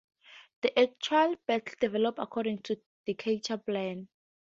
The actual battle developed according to Decatur's plan.